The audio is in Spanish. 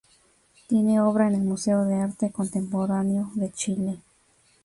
Tiene obra en el Museo de Arte Contemporáneo de Chile.